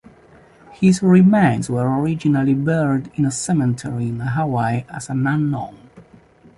His remains were originally buried in a cemetery in Hawaii as an Unknown.